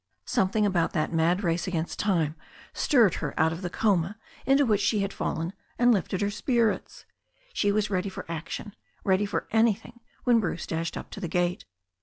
Something about that mad race against time stirred her out of the coma into which she had fallen, and lifted her spirits. She was ready for action, ready for anything when Bruce dashed up to the gate.